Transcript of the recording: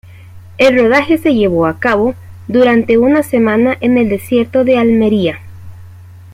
El rodaje se llevó a cabo durante una semana en el desierto de Almería.